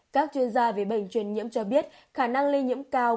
các chuyên gia về bệnh truyền nhiễm cho biết khả năng lây nhiễm cao